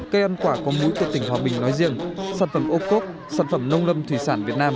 cây ăn quả có múi của tỉnh hòa bình nói riêng sản phẩm ô cốp sản phẩm nông lâm thủy sản việt nam